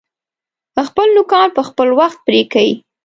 خپل نوکان پر وخت پرې کئ!